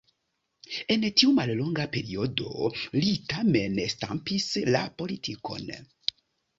En tiu mallonga periodo li tamen stampis la politikon.